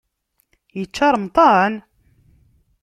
Yečča ṛemṭan?